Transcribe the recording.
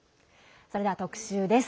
それでは特集です。